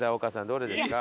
どれですか？